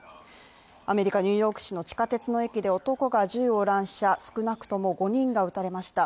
アメリカ・ニューヨーク市の地下鉄の駅で男が銃を乱射少なくとも５人が撃たれました。